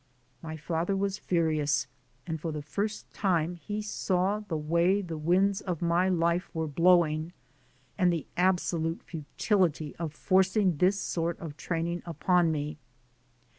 My father was furious, and for the first time he saw the way the winds of my life were blowing, and the absolute futility of forcing this sort of training upon me.